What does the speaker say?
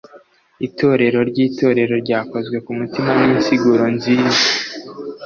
itorero ryitorero ryakozwe ku mutima n'insiguro nziza